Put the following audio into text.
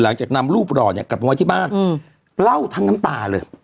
หลังจากนำรูปรอกลับมาที่บ้านเล่าทั้งตำตาเลย